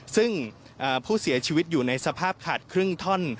ซึ่งผู้เสียชีวิตอยู่ในสภาพขาดครึ่งท่อน